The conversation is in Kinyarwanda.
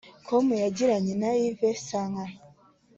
com yagiranye na Yves Sankara